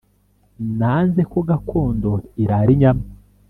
Nanze ko Gakondo irara inyama